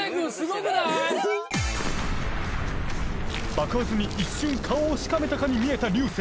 ［爆発に一瞬顔をしかめたかに見えた流星］